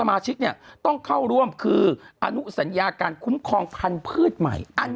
ไม่แค่เฉพาะข้าวก็เหมือนกัน